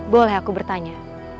boleh aku bertanya